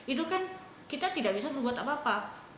itu kan kita tidak bisa membuat apa apa